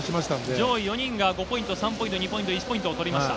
上位５人が１ポイント、２ポイント、３ポイント、１ポイントを取りました。